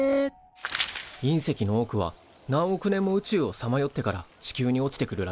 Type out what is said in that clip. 隕石の多くは何億年も宇宙をさまよってから地球に落ちてくるらしい。